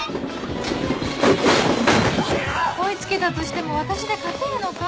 追い付けたとしても私で勝てるのか？